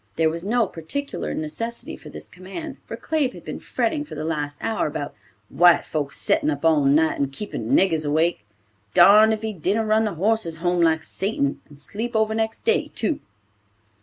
There was no particular necessity for this command, for Claib had been fretting for the last hour about "White folks settin' up all night and keepin' niggers awake. Darned if he didn't run the horses home like Satan, and sleep over next day, too."